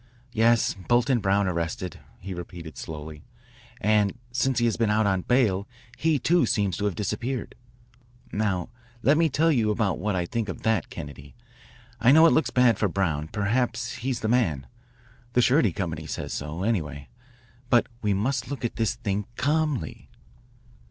"Yes, Bolton Brown, arrested," he repeated slowly, "and since he has been out on bail he, too, seems to have disappeared. Now let me tell you about what I think of that, Kennedy. I know it looks bad for Brown. Perhaps he's the man. The Surety Company says so, anyway. But we must look at this thing calmly."